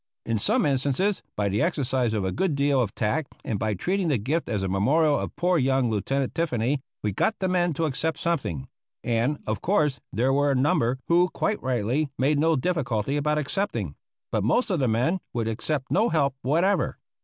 In some instances, by the exercise of a good deal of tact and by treating the gift as a memorial of poor young Lieutenant Tiffany, we got the men to accept something; and, of course, there were a number who, quite rightly, made no difficulty about accepting. But most of the men would accept no help whatever.